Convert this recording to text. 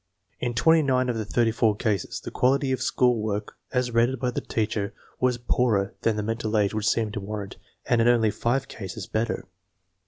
In 29 of the 34 cases the quality of school work as rated by the teacher was poorer than the mental age would seem to warrant, and in only 5 cases better.